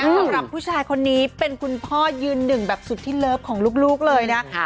สำหรับผู้ชายคนนี้เป็นคุณพ่อยืนหนึ่งแบบสุดที่เลิฟของลูกเลยนะ